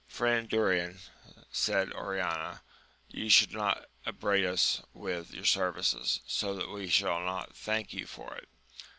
Friend Durin, said Oriana, you should not upbraid us with your services, so that we shall not thank you for it.